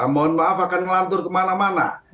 mohon maaf akan ngelantur kemana mana